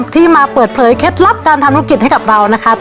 ที่มาเปิดเผยเคล็ดลับการทำธุรกิจให้กับเรานะคะ